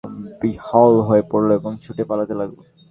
জনতা এটাকে দেখে ভীত-সন্ত্রস্ত ও বিহ্বল হয়ে পড়ল এবং ছুটে পালাতে লাগল।